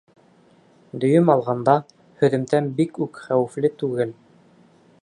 Дөйөм алғанда, һөҙөмтә бик үк хәүефле түгел.